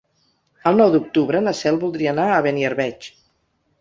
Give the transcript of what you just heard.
El nou d'octubre na Cel voldria anar a Beniarbeig.